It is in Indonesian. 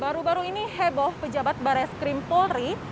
baru baru ini heboh pejabat bares krimpolri